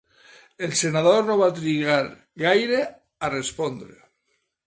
El senador no va trigar gaire a respondre.